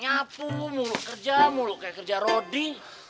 nyapu mulu kerja mulu kayak kerja rodi